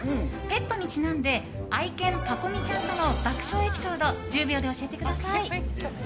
ペットにちなんで愛犬パコ美ちゃんとの爆笑エピソードを１０秒で教えてください。